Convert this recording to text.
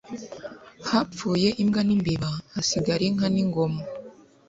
hapfuye imbwa n'imbeba hasigara inka n'ingoma